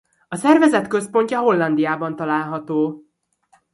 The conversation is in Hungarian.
A szervezet központja Hollandiában található.